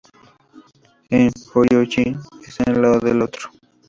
En Hōryū-ji, están uno al lado del otro.